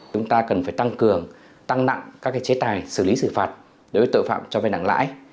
chúng ta cần phải tăng cường tăng nặng các chế tài xử lý xử phạt đối với tội phạm cho vay nặng lãi